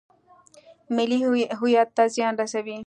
ملي هویت ته زیان رسوي.